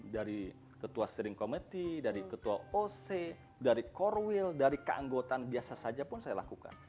dari ketua steering committee dari ketua oc dari core will dari keanggotaan biasa saja pun saya lakukan